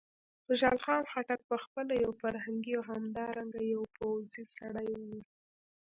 خوشحال خان په خپله یو فرهنګي او همدارنګه یو پوځي سړی و.